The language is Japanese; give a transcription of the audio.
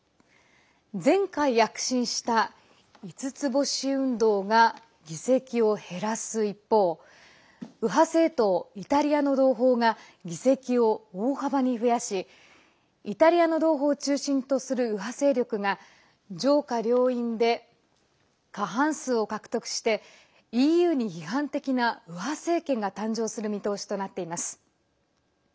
前回、躍進した五つ星運動が議席を減らす一方右派政党、イタリアの同胞が議席を大幅に増やしイタリアの同胞を中心とする右派勢力が上下両院で過半数を獲得してＥＵに批判的な右派政権が誕生する見通しとなっています。